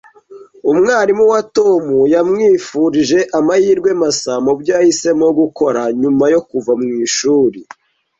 Umwarimu wa Tom yamwifurije amahirwe masa mubyo yahisemo gukora nyuma yo kuva mwishuri.